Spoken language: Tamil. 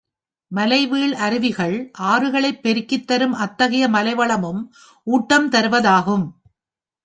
மலைவீழ் அருவிகள் ஆறுகளைப் பெருக்கித் தரும் அத்தகைய மவைளமும் ஊட்டம் தருவதாகும்.